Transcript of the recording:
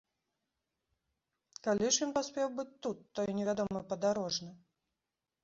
Калі ж ён паспеў быць тут, той невядомы падарожны?